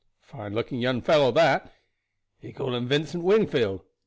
Fine looking young fellow that. He called him Vincent Wingfield.